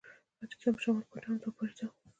ختیځ او شمال کونج هم دوه پوړیزه وه.